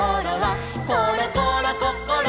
「ころころこころ